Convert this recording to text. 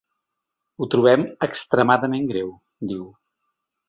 Ho trobem extremadament greu, diu.